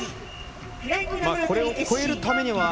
これを超えるためには。